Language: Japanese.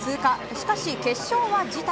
しかし、決勝は辞退。